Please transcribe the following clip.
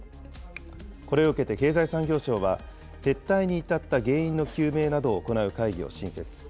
これを受けて経済産業省は、撤退に至った原因の究明などを行う会議を新設。